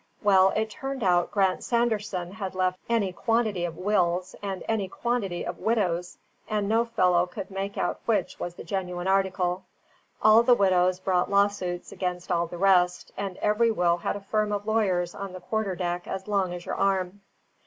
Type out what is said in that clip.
Well, it turned out Grant Sanderson had left any quantity of wills and any quantity of widows, and no fellow could make out which was the genuine article. All the widows brought lawsuits against all the rest, and every will had a firm of lawyers on the quarterdeck as long as your arm.